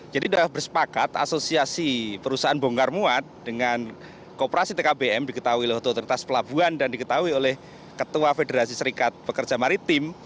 jadi sudah bersepakat asosiasi perusahaan bongkar mot dengan kooperasi tkbm diketahui oleh otoritas pelabuhan dan diketahui oleh ketua federasi serikat pekerja maritim